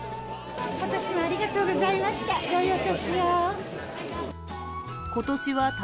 ことしもありがとうございました。